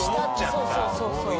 そうそうそうそう。